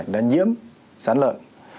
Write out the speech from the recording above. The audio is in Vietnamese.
đã nhiễm sán lợn